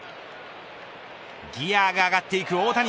ギアが上がっていく大谷。